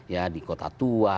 ya di kota tua